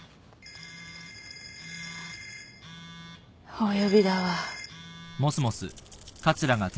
お呼びだわ。